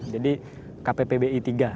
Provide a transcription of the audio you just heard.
jadi kppbi tiga